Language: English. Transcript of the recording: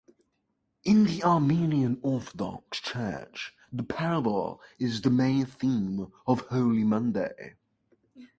In the Armenian Orthodox Church the parable is the main theme of Holy Monday.